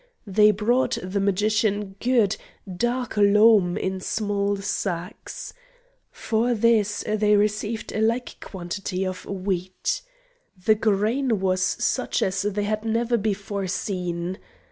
They brought the magician good, dark loam in small sacks. For this they received a like quantity of wheat. The grain was such as they had never before seen.